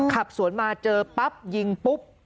ขับสวนมาเจอปั๊บยิงปุ๊บ